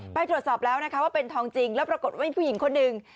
ไปตรวจสอบแล้วนะคะว่าเป็นทองจริงแล้วปรากฏว่ามีผู้หญิงคนหนึ่ง